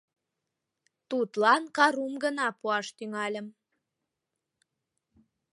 Тудлан карум гына пуаш тӱҥальым.